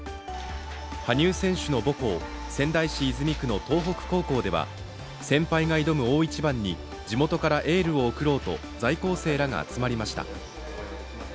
羽生選手の母校、仙台市泉区の東北高校では先輩が挑む大一番に地元からエールを送ろうと在校生らが集まりました。